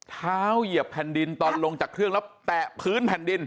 เหยียบแผ่นดินตอนลงจากเครื่องแล้วแตะพื้นแผ่นดิน